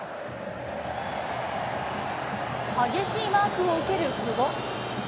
激しいマークを受ける久保。